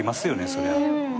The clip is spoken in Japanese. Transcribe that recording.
そりゃ。